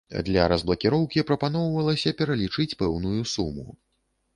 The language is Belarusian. Для разблакіроўкі прапаноўвалася пералічыць пэўную суму.